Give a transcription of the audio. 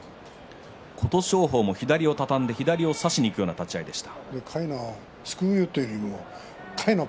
琴勝峰も左を畳んで差すような立ち合いでした。